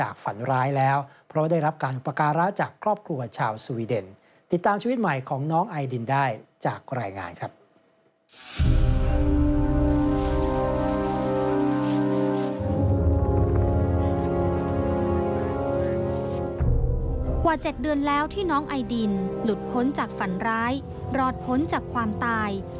กว่า๗เดือนแล้วที่น้องไอดินหลุดพ้นจากฝันร้ายรอดพ้นจากความตาย